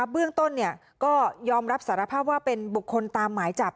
เบื้องต้นก็ยอมรับสารภาพว่าเป็นบุคคลตามหมายจับ